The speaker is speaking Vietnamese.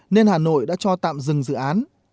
nên hà nội đã cho tạm dừng dự án